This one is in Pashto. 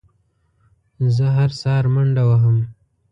زه هره سهار منډه وهم